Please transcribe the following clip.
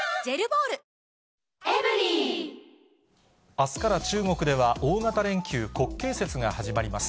あすから中国では大型連休、国慶節が始まります。